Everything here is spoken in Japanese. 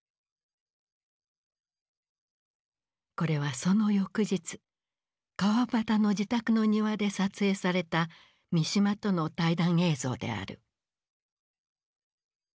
これはその翌日川端の自宅の庭で撮影された三島との対談映像である。